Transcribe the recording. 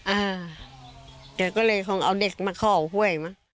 เอ้าเค้าก็เลยเอาเด็กมาขอหวย